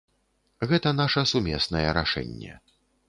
Гэта наша сумеснае рашэнне.